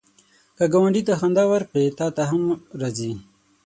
که ګاونډي ته خندا ورکړې، تا ته هم راځي